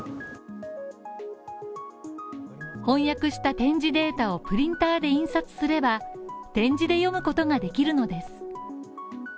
翻訳した点字データをプリンターで印刷すれば点字で読むことができるのです。